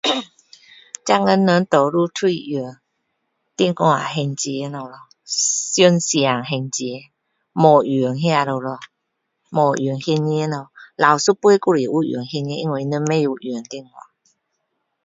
现今人多数都是用电话还钱了咯上线还钱没用那个了咯没用现钱了老一辈还是有用现钱因为他们不会用电话